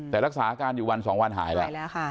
แต่รักษาการอยู่วันสองวันหายแล้วอร่อยแล้วค่ะ